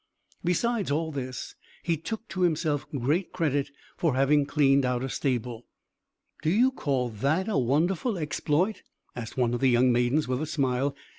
Besides all this, he took to himself great credit for having cleaned out a stable. "Do you call that a wonderful exploit?" asked one of the young maidens, with a smile.